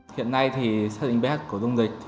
hiện nay thì xác định ph của dung dịch